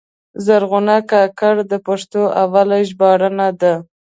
زرغونه کاکړه د پښتو اوله ژباړنه ده.